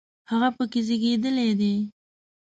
هغه په کې زیږېدلی دی.